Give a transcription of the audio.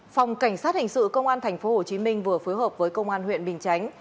phòng cảnh sát hình sự công an tp hcm vừa phối hợp với công an huyện bình chánh